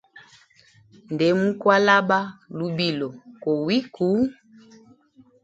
Nde mu kwalaba lubilo kowi kuu.